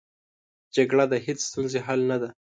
جګړه د هېڅ ستونزې حل نه ده